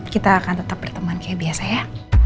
kita akan tetap berteman kayak biasa ya